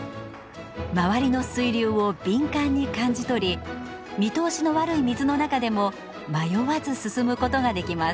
周りの水流を敏感に感じ取り見通しの悪い水の中でも迷わず進むことができます。